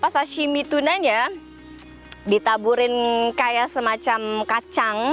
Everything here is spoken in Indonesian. sashimi tunanya ditaburkan kayak semacam kacang